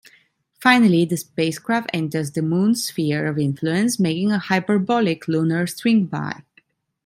Finally, the spacecraft enters the Moon's sphere of influence, making a hyperbolic lunar swingby.